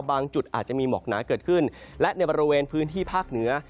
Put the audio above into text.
จุดอาจจะมีหมอกหนาเกิดขึ้นและในบริเวณพื้นที่ภาคเหนือ